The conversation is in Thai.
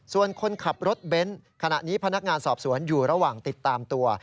ส่วนคนขับรถเบนท์ขณะนี้พนักงานสอบสวนอยู่ระหว่างติดตามตัว